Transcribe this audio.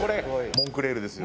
モンクレールですよ。